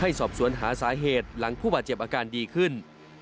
สอบสวนหาสาเหตุหลังผู้บาดเจ็บอาการดีขึ้น